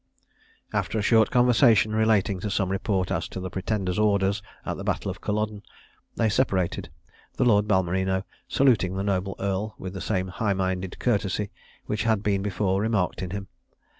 After a short conversation relating to some report as to the Pretender's orders at the battle of Culloden, they separated, the Lord Balmerino saluting the noble earl with the same high minded courtesy which had been before remarked in him.